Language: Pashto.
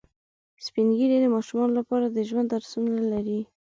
سپین ږیری د ماشومانو لپاره د ژوند درسونه لري